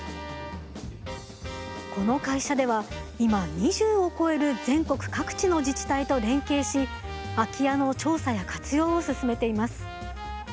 この会社では今２０を超える全国各地の自治体と連携し空き家の調査や活用を進めています。